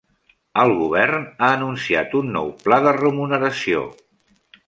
El govern ha anunciat un nou pla de remuneració.